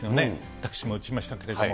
私も打ちましたけれども。